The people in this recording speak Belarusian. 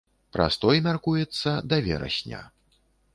Прастой мяркуецца да верасня.